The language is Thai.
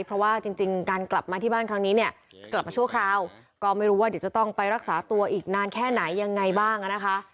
เพราะว่าจริงการกลับมาที่บ้านครั้งนี้เนี่ยกลับมาชั่วคราวก็ไม่รู้ว่าเดี๋ยวจะต้องไปรักษาตัวอีกนานแค่ไหนยังไงบ้างนะคะ